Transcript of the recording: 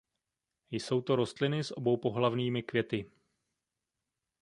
Jsou to rostliny s oboupohlavnými květy.